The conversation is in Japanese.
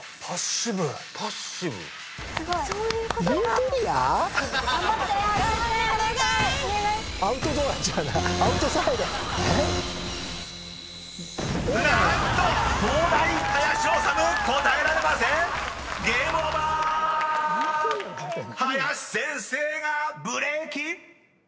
［林先生がブレーキ！